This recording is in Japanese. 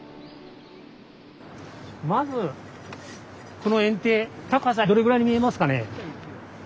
まずこのえん堤高さどれぐらいに見えますかね？